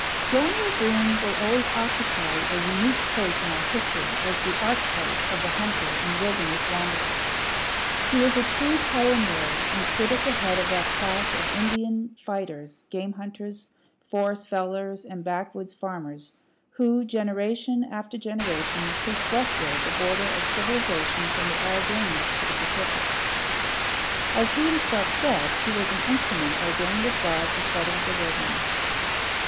Daniel Boone will always occupy a unique place in our history as the archetype of the hunter and wilderness wanderer. He was a true pioneer, and stood at the head of that class of Indian fighters, game hunters, forest fellers, and backwoods farmers who, generation after generation, pushed westward the border of civilization from the Alleghanies to the Pacific. As he himself said, he was "an instrument ordained of God to settle the wilderness."